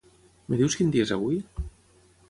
Em dius quin dia és avui?